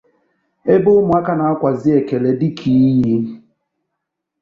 ebe ụmụaka na-akwazị ekele dịka iyi